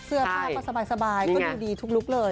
เสื้อผ้าก็สบายก็ดูดีทุกลุคเลย